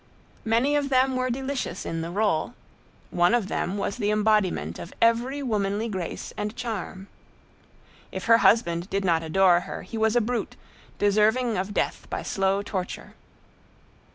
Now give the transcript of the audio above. Many of them were delicious in the role; one of them was the embodiment of every womanly grace and charm. If her husband did not adore her, he was a brute, deserving of death by slow torture.